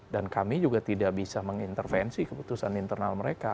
dan kami juga tidak bisa mengintervensi keputusan internal mereka